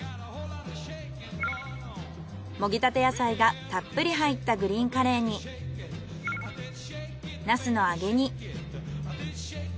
もぎたて野菜がたっぷり入ったグリーンカレーにナスの揚げ煮。